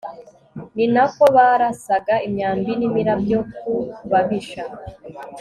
ni na ko barasaga imyambi n'imirabyo ku babisha